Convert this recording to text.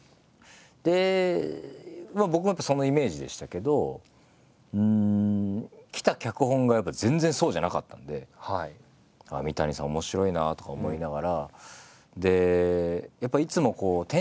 で僕もやっぱそのイメージでしたけど来た脚本がやっぱ全然そうじゃなかったんで三谷さん面白いなとか思いながら。